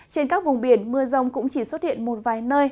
trên các vùng biển mưa rông cũng chỉ xuất hiện một vài nơi